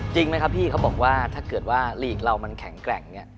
จริงไหมครับพี่เขาบอกว่าถ้าเกิดว่าลีกเรามันแข็งแกร่งเนี่ย